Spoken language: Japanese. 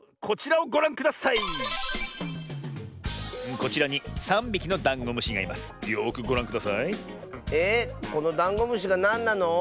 このダンゴムシがなんなの？